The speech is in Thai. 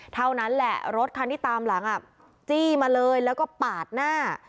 เท่านั้นแหละรถคันที่ตามหลังจี้มาเลยแล้วก็ปาดหน้า